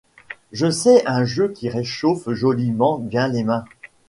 Je sais un jeu qui réchauffe joliment bien les mains.